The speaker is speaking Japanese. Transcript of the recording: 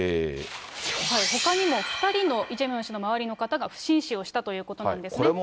ほかにも２人の、イ・ジェミョン氏の周りの２人の方が不審死をしたということなんですね。